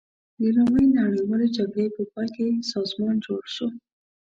د لومړۍ نړیوالې جګړې په پای کې سازمان جوړ شو.